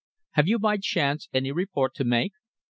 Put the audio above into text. Have you, by chance, any report to make?"